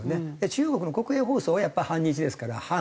中国の国営放送はやっぱり反日ですから反。